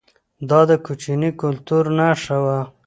دا د کوچي کلتور نښه وه